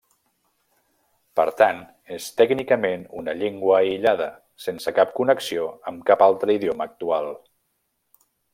Per tant, és tècnicament una llengua aïllada, sense cap connexió amb cap altre idioma actual.